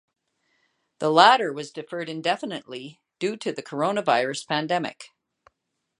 The latter was deferred indefinitely due to the Coronavirus pandemic.